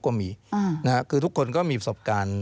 ก็มีนะฮะคือทุกคนก็มีประสบการณ์